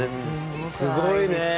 すごいね。